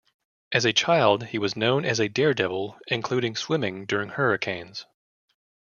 As a child, he was known as a daredevil including swimming during hurricanes.